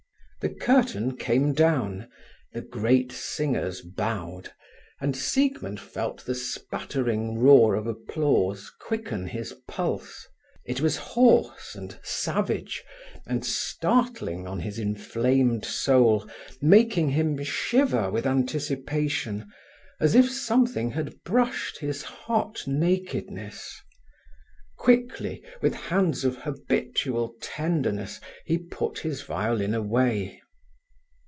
The curtain came down, the great singers bowed, and Siegmund felt the spattering roar of applause quicken his pulse. It was hoarse, and savage, and startling on his inflamed soul, making him shiver with anticipation, as if something had brushed his hot nakedness. Quickly, with hands of habitual tenderness, he put his violin away.